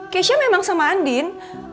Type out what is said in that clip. keisha memang sama andin